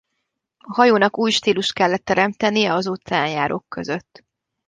A hajónak új stílust kellett teremtenie az óceánjárók között.